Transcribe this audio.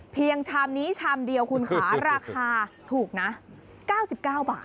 ชามนี้ชามเดียวคุณค่ะราคาถูกนะ๙๙บาท